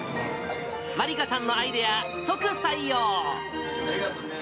まりかさんのアイデア、即採用。